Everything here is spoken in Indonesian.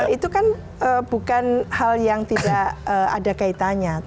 itu kan bukan hal yang tidak ada kaitannya